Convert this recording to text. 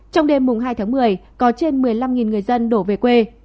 trong đêm hai tháng một mươi có trên một mươi năm người dân đổ về quê